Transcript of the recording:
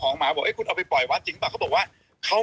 หมาบอกคุณเอาไปปล่อยวัดจริงป่ะเขาบอกว่า